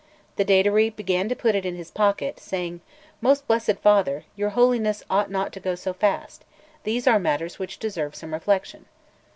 The Datary began to put it in his pocket, saying: "Most blessed Father, your Holiness ought not to go so fast; these are matters which deserve some reflection."